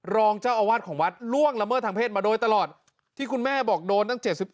รองเจ้าอาวาสของวัดล่วงละเมิดทางเพศมาโดยตลอดที่คุณแม่บอกโดนตั้ง๗๘